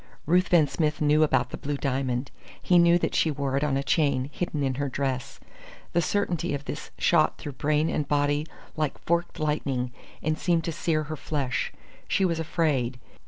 Ruthven Smith knew about the blue diamond. He knew that she wore it on a chain, hidden in her dress. The certainty of this shot through brain and body like forked lightning and seemed to sear her flesh. She was afraid.